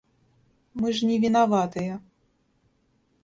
Мы ж не вінаватыя.